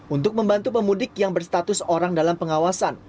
untuk membantu pemudik yang berstatus orang dalam pengawasan